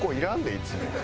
いつも。